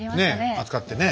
扱ってね。